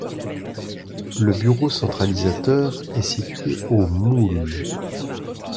Le bureau centralisateur est situé au Moule.